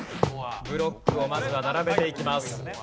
ブロックをまずは並べていきます。